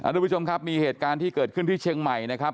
ทุกผู้ชมครับมีเหตุการณ์ที่เกิดขึ้นที่เชียงใหม่นะครับ